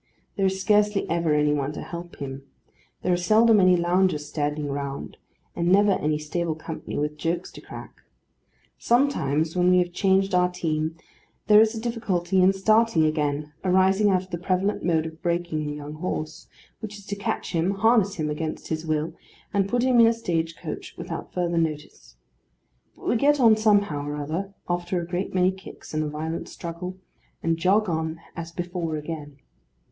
There is scarcely ever any one to help him; there are seldom any loungers standing round; and never any stable company with jokes to crack. Sometimes, when we have changed our team, there is a difficulty in starting again, arising out of the prevalent mode of breaking a young horse: which is to catch him, harness him against his will, and put him in a stage coach without further notice: but we get on somehow or other, after a great many kicks and a violent struggle; and jog on as before again.